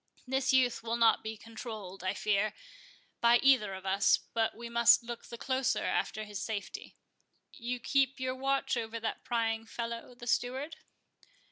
This youth will not be controlled, I fear, by either of us; but we must look the closer after his safety. You keep your watch over that prying fellow the steward?"